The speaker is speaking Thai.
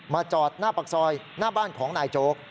จอดหน้าปากซอยหน้าบ้านของนายโจ๊ก